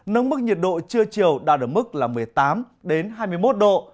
nâng mức nhiệt độ trưa chiều đạt được mức một mươi tám đến hai mươi một độ